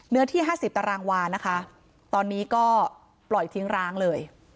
เนื้อที่๕๐ตารางวานะคะตอนนี้ก็ปล่อยทิ้งร้างเลย